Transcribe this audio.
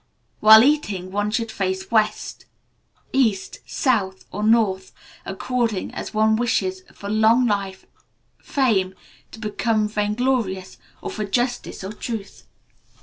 While eating, one should face east, west, south, or north, according as one wishes for long life, fame, to become vainglorious, or for justice or truth.